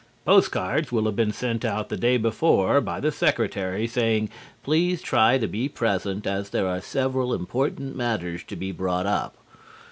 Postcards will have been sent out the day before by the Secretary, saying: "Please try to be present as there are several important matters to be brought up."